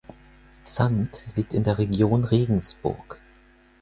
Zandt liegt in der Region Regensburg.